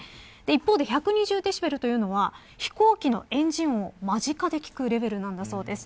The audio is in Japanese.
一方で、１２０デシベルは飛行機のエンジンを間近に聞くレベルなんだそうです。